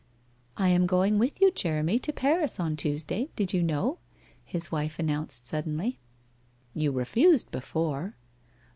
' I am going with you, Jeremy, to Paris on Tuesday, did you know ?' his wife announced suddenly. ' You refused before.'